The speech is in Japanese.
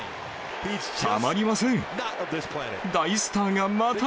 たまりません。